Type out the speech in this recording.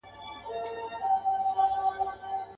ستړي به پېړۍ سي چي به بیا راځي اوبه ورته.